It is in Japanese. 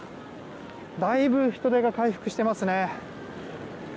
だいぶ人出が回復していますね。